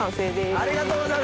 ありがとうございます！